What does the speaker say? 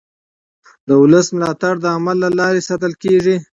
د ولس ملاتړ د عمل له لارې ساتل کېږي